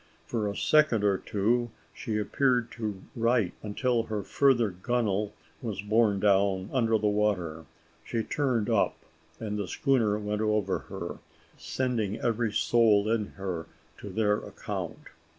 For a second or two she appeared to right, until her further gunwale was borne down under the water; she turned up, and the schooner went over her, sending every soul in her to their account.